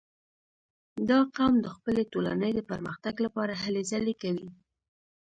• دا قوم د خپلې ټولنې د پرمختګ لپاره هلې ځلې کوي.